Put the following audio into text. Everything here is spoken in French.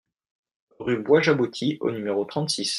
Rue Bois Jaboti au numéro trente-six